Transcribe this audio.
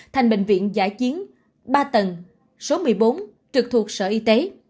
thành bệnh viện giả chiến ba tầng số một mươi bốn trực thuộc sở y tế